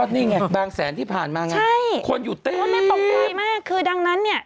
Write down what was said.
พี่นึกออกไหมครับนี่ไงครับใช่คนนี้ตกใจมากคือดังนั้นเนี่ย